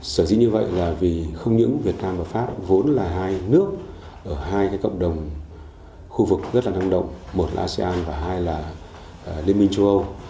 sở dĩ như vậy là vì không những việt nam và pháp vốn là hai nước ở hai cộng đồng khu vực rất là năng động một là asean và hai là liên minh châu âu